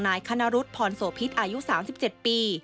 คณรุษพรโสพิษอายุ๓๗ปี